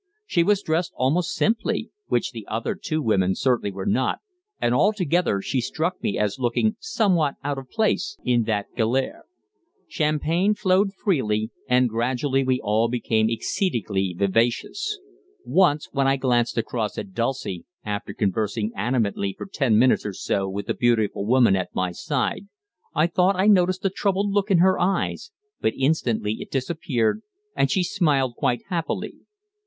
She was dressed almost simply, which the other two women certainly were not, and altogether she struck me as looking somewhat out of place in that galère. Champagne flowed freely, and gradually we all became exceedingly vivacious. Once, when I glanced across at Dulcie, after conversing animatedly for ten minutes or so with the beautiful woman at my side, I thought I noticed a troubled look in her eyes, but instantly it disappeared, and she smiled quite happily.